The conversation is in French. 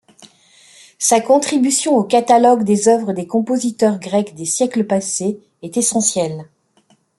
Sa contribution aux catalogues des œuvres des compositeurs grecs des siècles passés est essentielle.